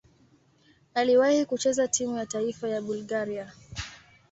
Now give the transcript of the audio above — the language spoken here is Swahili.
Aliwahi kucheza timu ya taifa ya Bulgaria.